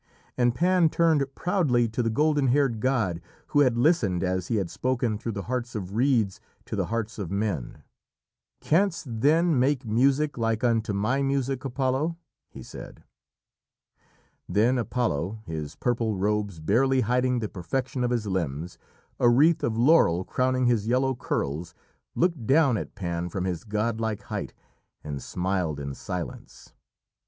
And Pan turned proudly to the golden haired god who had listened as he had spoken through the hearts of reeds to the hearts of men. "Canst, then, make music like unto my music, Apollo?" he said. Then Apollo, his purple robes barely hiding the perfection of his limbs, a wreath of laurel crowning his yellow curls, looked down at Pan from his godlike height and smiled in silence.